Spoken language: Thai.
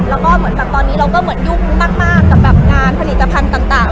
แล้วก็ตอนนี้เราก็เหมือนยุ่งมากกับงานผลิตภัณฑ์ต่าง